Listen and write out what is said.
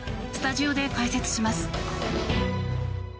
スタジオで解説します。